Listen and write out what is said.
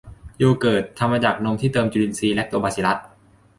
โยเกิร์ต ทำมาจากนมที่เติมจุลินทรีย์แลคโตบาซิลลัส